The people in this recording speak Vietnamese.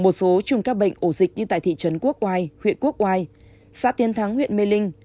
một số chùm các bệnh ổ dịch như tại thị trấn quốc oai huyện quốc oai xã tiến thắng huyện mê linh